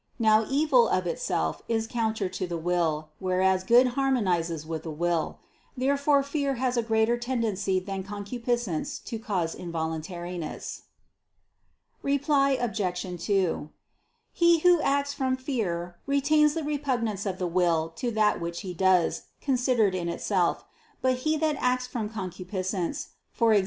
Now evil of itself is counter to the will, whereas good harmonizes with the will. Therefore fear has a greater tendency than concupiscence to cause involuntariness. Reply Obj. 2: He who acts from fear retains the repugnance of the will to that which he does, considered in itself. But he that acts from concupiscence, e.g.